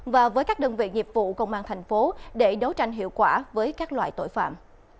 và với các đơn vị nghiệp vụ công an thành phố để đấu tranh hiệu quả với các loại tội phạm